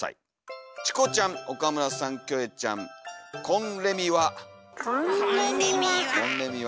チコちゃん岡村さんキョエちゃんこんれみは」。